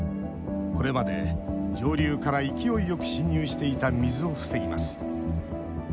これまで上流から勢いよく侵入していた水を防ぎます。